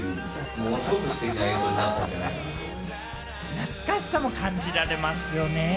懐かしさも感じられますよね。